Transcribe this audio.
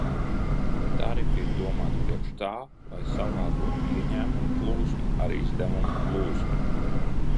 Tarifi ir domāti priekš tā, lai salāgotu ieņēmumu plūsmu ar izdevumu plūsmu.